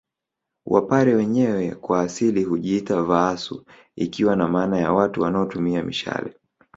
Wapare wenyewe kwa asili hujiita Vaasu ikiwa na maana ya watu wanaotumia mishale